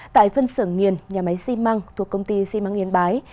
tại phân xưởng nghiền nhà máy xi măng thuộc công ty xi măng yên bái